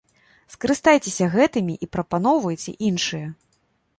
Скарыстайцеся гэтымі і прапаноўвайце іншыя.